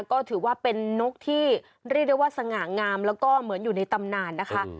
ก็ถือว่าเป็นนกที่เรียกได้ว่าสง่างามแล้วก็เหมือนอยู่ในตำนานนะคะ